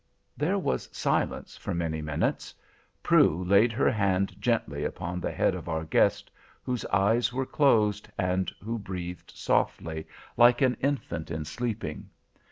There was silence for many minutes. Prue laid her hand gently upon the head of our guest, whose eyes were closed, and who breathed softly, like an infant in sleeping.